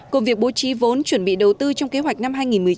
của việc bố trí vốn chuẩn bị đầu tư trong kế hoạch năm hai nghìn một mươi chín